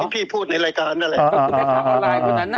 พี่พูดในรายการอินา